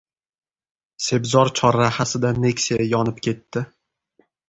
Sebzor chorrahasida "Nexia" yonib ketdi